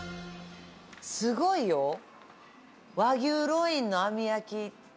すごいよ和牛ロインの網焼き。